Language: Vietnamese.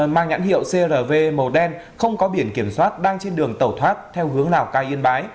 mang nhãn hiệu crv màu đen không có biển kiểm soát đang trên đường tẩu thoát theo hướng lào cai yên bái